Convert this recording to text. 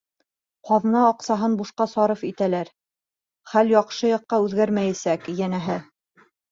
Ҡаҙна аҡсаһын бушҡа сарыф итәләр, хәл яҡшы яҡҡа үҙгәрмәйәсәк, йәнәһе.